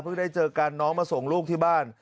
ได้เจอกันน้องมาส่งลูกที่บ้าน